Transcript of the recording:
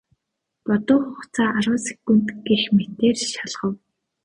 Бодох хугацаа арван секунд гэх мэтээр шалгав.